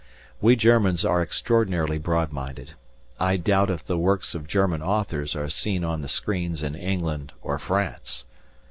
We Germans are extraordinarily broad minded; I doubt if the works of German authors are seen on the screens in England or France.